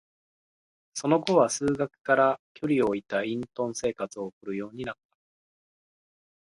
その後は、数学から距離を置いた隠遁生活を送るようになった。